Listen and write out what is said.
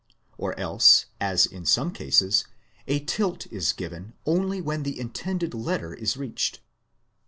Or else, as in some cases, a tilt is given only when the intended letter is reached.